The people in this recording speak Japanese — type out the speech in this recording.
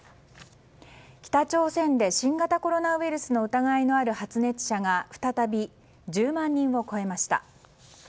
北朝鮮で新型コロナウイルスの疑いのある発熱者が再び１０万人を超えました。